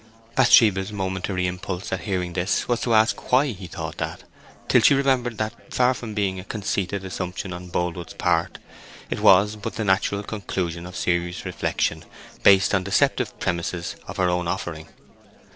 Bathsheba's momentary impulse at hearing this was to ask why he thought that, till she remembered that, far from being a conceited assumption on Boldwood's part, it was but the natural conclusion of serious reflection based on deceptive premises of her own offering.